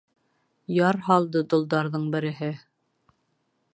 — Яр һалды долдарҙың береһе.